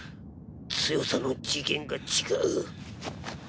強さの次元が違う。